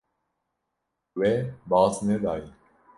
We baz nedaye.